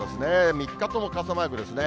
３日とも傘マークですね。